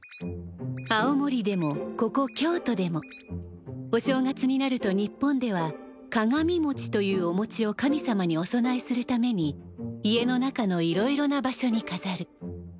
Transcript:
青森でもここ京都でもお正月になると日本では鏡もちというおもちを神様にお供えするために家の中のいろいろな場所にかざる。